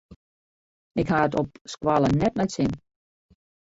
Ik ha it op skoalle net nei it sin.